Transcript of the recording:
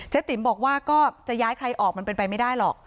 ติ๋มบอกว่าก็จะย้ายใครออกมันเป็นไปไม่ได้หรอก